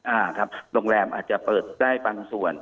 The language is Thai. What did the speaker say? อ่าครับโรงแรมอาจไหลภาพไป